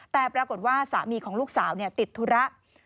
แต่ปรากฏว่าสามีของลูกสาวติดธุระ